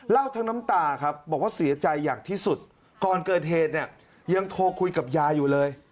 ทั้งน้ำตาครับบอกว่าเสียใจอย่างที่สุดก่อนเกิดเหตุเนี่ยยังโทรคุยกับยายอยู่เลย